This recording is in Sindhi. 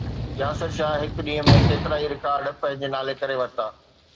ياسر شاهه هڪ ڏينهن ۾ ڪيترائي رڪارڊ پنهنجي نالي ڪري ورتا